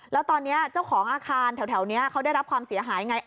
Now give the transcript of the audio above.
แล้วตอนนี้เจ้าของอาคารแถวนี้เขาได้รับความเสียหายไง